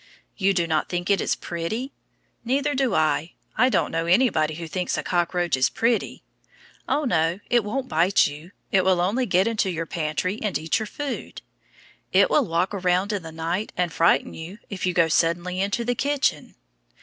You do not think it is pretty? Neither do I. I don't know anybody who thinks a cockroach pretty. Oh, no, it won't bite you. It will only get into your pantry and eat your food. It will walk around in the night and frighten you if you go suddenly into the kitchen.